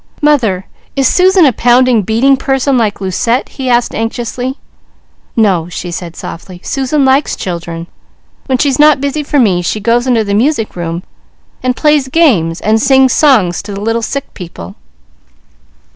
"Mother, is Susan a pounding, beating person like Lucette?" he asked anxiously. "No," she said softly. "Susan likes children. When she's not busy for me, she goes into the music room and plays games, and sings songs to little sick people."